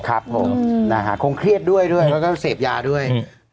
ครับผมคงเครียดด้วยแล้วก็เสพยาด้วย